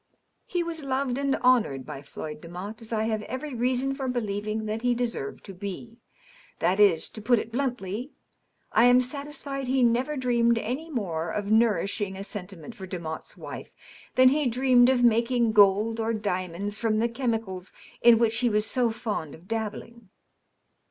''" He was loved and honored by Floyd Demotte, as I have every reason for believing that he deserved to be. That is, to put it bluntly, I am satisfied he never dreamed any more of nourishing a sentiment for Demotte's wife than he dreamed of making gold or diamonds fi*om the chemicals in which he was so fond of dabbling.